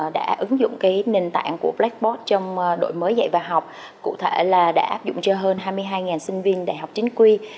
đã ứng dụng nền tảng của blackbot trong đổi mới dạy và học cụ thể là đã áp dụng cho hơn hai mươi hai sinh viên đại học chính quy